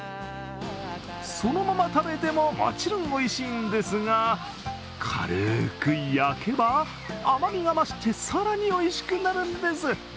そのまま食べても、もちろんおいしいんですが、軽く焼けば、甘みが増して更においしくなるんです。